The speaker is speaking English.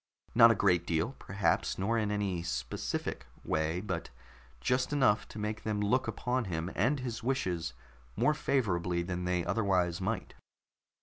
Not a great deal, perhaps, nor in any specific way, but just enough to make them look upon him and his wishes more favorably than they otherwise might.